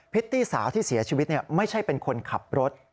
ิตตี้สาวที่เสียชีวิตไม่ใช่เป็นคนขับรถ